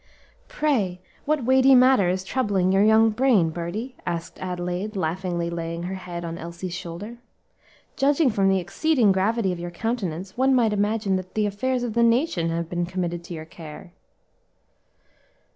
"Pray, what weighty matter is troubling your young brain, birdie?" asked Adelaide, laughingly laying her hand on Elsie's shoulder. "Judging from the exceeding gravity of your countenance, one might imagine that the affairs of the nation had been committed to your care."